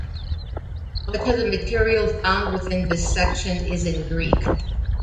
Much of the material found within this section is in Greek.